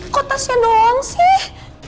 kok tasnya doang sih